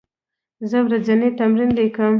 زه ورځنی تمرین لیکم.